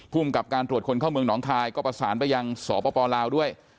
ภูมิกับการตรวจคนเข้าเมืองหนองคายก็ประสานไปยังสปลาวด้วย